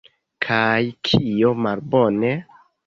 Kaj kio malbone?